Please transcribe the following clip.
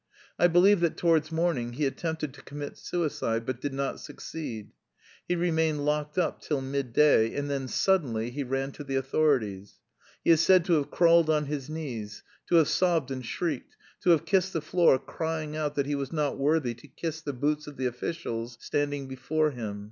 I believe that towards morning he attempted to commit suicide but did not succeed. He remained locked up till midday and then suddenly he ran to the authorities. He is said to have crawled on his knees, to have sobbed and shrieked, to have kissed the floor crying out that he was not worthy to kiss the boots of the officials standing before him.